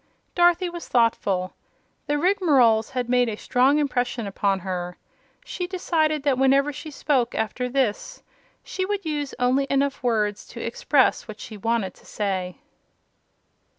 Dorothy was thoughtful. The Rigmaroles had made a strong impression upon her. She decided that whenever she spoke, after this, she would use only enough words to express what she wanted to say.